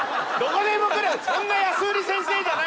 そんな安売り先生じゃないよ。